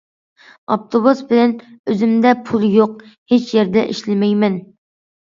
ئاپتوبۇس بىلەن... ئۆزۈمدە پۇل يوق، ھېچ يەردە ئىشلىمەيمەن.